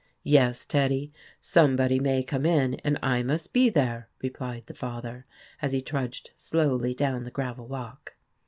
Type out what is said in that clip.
" Yes, Teddy; somebody may come in, and I must be there," re plied the father, as he trudged slowly down the gravel walk.